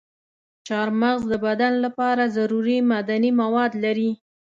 چارمغز د بدن لپاره ضروري معدني مواد لري.